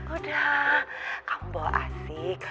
udah kamu bawa asik